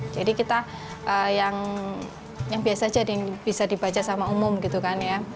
jadi kita yang biasa jadi bisa dibaca sama umum gitu kan ya